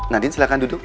nadine silahkan duduk